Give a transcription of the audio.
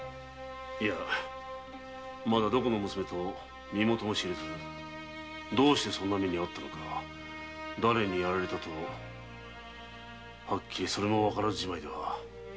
いやまだどこの娘とも身元も知れずどうしてそんな目に遭ったのかだれに殺られたのかわからずじまいではな。